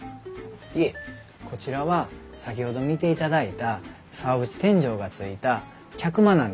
いえこちらは先ほど見ていただいた竿縁天井がついた客間なんです。